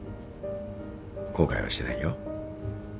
後悔はしてないよ。